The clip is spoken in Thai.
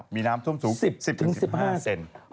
มีน้ำท่วมสูง๑๐๑๕เซนติเมตร